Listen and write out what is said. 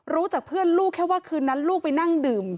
จากเพื่อนลูกแค่ว่าคืนนั้นลูกไปนั่งดื่ม